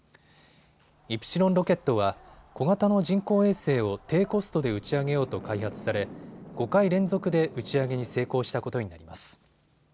イプシロンロケットは小型の人工衛星を低コストで打ち上げようと開発され５回連続で打ち上げに成功したことになります。